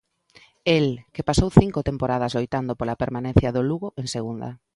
El, que pasou cinco temporadas loitando pola permanencia do Lugo en Segunda.